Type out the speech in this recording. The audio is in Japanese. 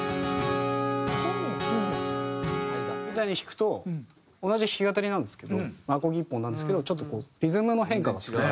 みたいに弾くと同じ弾き語りなんですけどアコギ１本なんですけどちょっとこうリズムの変化がつくので。